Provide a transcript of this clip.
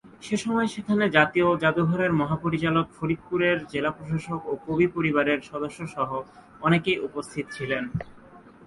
সেসময় সেখানে জাতীয় জাদুঘরের মহাপরিচালক, ফরিদপুরের জেলা প্রশাসক ও কবি পরিবারের সদস্যসহ অনেকেই উপস্থিত ছিলেন।